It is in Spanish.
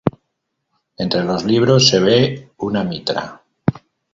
Entre los libros se ve una mitra.